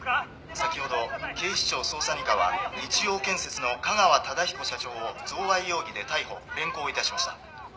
「先ほど警視庁捜査二課は日央建設の香川忠彦社長を贈賄容疑で逮捕連行致しました」